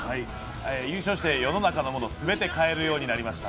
優勝して世の中のものを全て買えるようになりました。